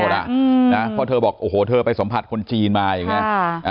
เพราะเธอบอกโอ้โหเธอไปสัมผัสคนจีนมาอย่างนี้